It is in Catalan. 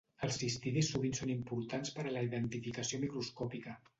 Els cistidis sovint són importants per a la identificació microscòpica.